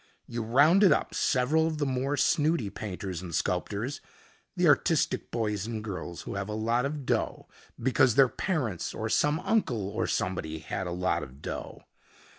"You rounded up several of the more snooty painters and sculptors the artistic boys and girls who have a lot of dough because their parents or some uncle or somebody had a lot of dough.